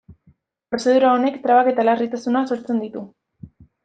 Prozedura honek trabak eta larritasuna sortzen ditu.